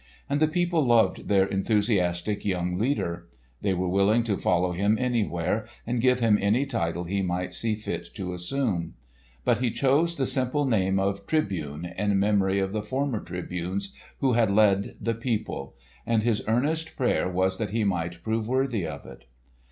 And the people loved their enthusiastic young leader. They were willing to follow him anywhere and give him any title he might see fit to assume. But he chose the simple name of "Tribune" in memory of the former Tribunes who had led the people; and his earnest prayer was that he might prove worthy of it.